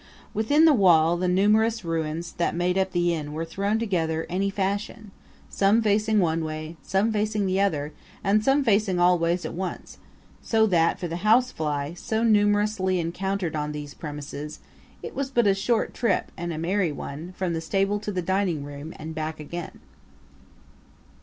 Within the wall the numerous ruins that made up the inn were thrown together any fashion, some facing one way, some facing the other way, and some facing all ways at once; so that, for the housefly, so numerously encountered on these premises, it was but a short trip and a merry one from the stable to the dining room and back again.